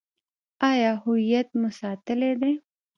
آیا هویت مو ساتلی دی؟